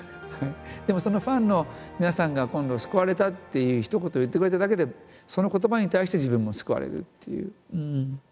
でもそのファンの皆さんが今度「救われた」っていうひと言を言ってくれただけでその言葉に対して自分も救われるっていう。